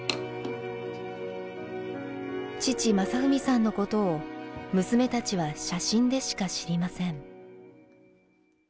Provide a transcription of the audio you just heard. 父雅文さんのことを娘たちは写真でしか知りません。